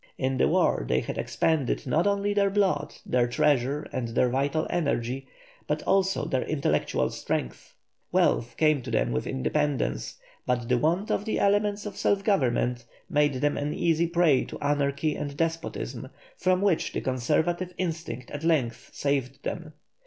In the war they had expended not only their blood, their treasure, and their vital energy, but also their intellectual strength. Wealth came to them with independence, but the want of the elements of self government made them an easy prey to anarchy and despotism, from which the conservative instinct at length saved them.